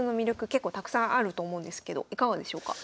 結構たくさんあると思うんですけどいかがでしょうか？